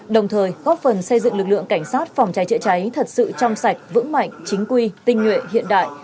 đồng thời góp phần xây dựng lực lượng cảnh sát phòng cháy chữa cháy thật sự trong sạch vững mạnh chính quy tinh nguyện hiện đại